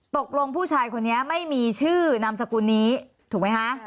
ตกลงผู้ชายคนนี้ไม่มีชื่อนามสกุลนี้ถูกไหมคะ